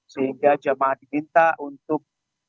sehingga jemaah di minta untuk